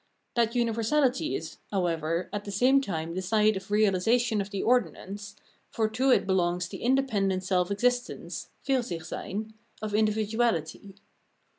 That universahty is, however, at the same time the side of reahsation of the ordinance, for to it belongs the independent self existence {Fursichseyn) of individuahty.